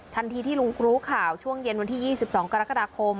ที่ลุงรู้ข่าวช่วงเย็นวันที่๒๒กรกฎาคม